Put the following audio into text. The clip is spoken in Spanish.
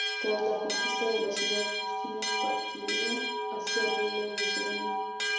Tras la conquista de la ciudad Justino partiría hacia Leiden.